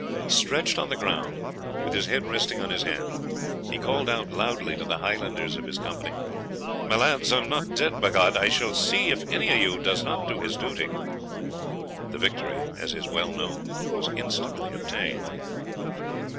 Stretched on the ground, with his head resting on his hand, he called out loudly to the Highlanders of his company, "My lads, I am not dead. By G , I shall see if any of you does not do his duty." The victory, as is well known, was instantly obtained.